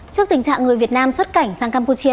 trước tình trạng người việt nam xuất cảnh sang campuchia